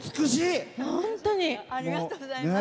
ありがとうございます。